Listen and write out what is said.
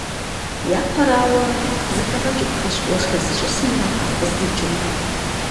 Япэрауэ, зэхэгъэкӀыпхъэщ уэшхыр зищӀысымрэ ар къыздикӀымрэ.